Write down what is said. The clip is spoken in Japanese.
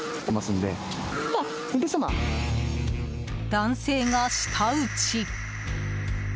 男性が舌打ち。